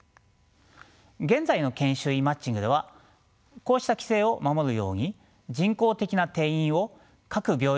現在の研修医マッチングではこうした規制を守るように人工的な定員を各病院について定め